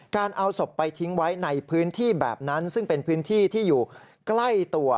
การเอาศพไปทิ้งไว้ในพื้นที่แบบนั้นซึ่งเป็นพื้นที่ที่อยู่ใกล้ตัว